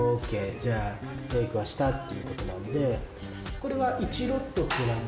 じゃあれい君は下っていうことなんでこれは。